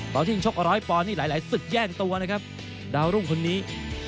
โปรดสิ้นชกร้อยปอลนี่หลายหลายสึกแย่งตัวนะครับดาวรุ้งคนนี้